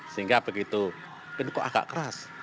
sehingga begitu kok agak keras